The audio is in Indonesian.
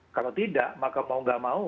kalau tidak maka mau nggak mau